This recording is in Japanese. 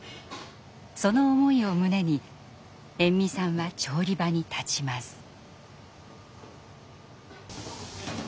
その思いを胸に延味さんは調理場に立ちます。